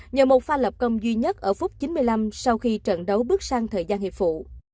nhờ một pha lập công duy nhất ở phút chín mươi năm sau khi trận đấu bước sang thời gian hiệp vụ